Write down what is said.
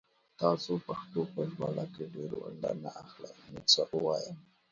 تاسو دا پښتو په ژباړه کې ډيره ونډه نه اخلئ نو څه ووايم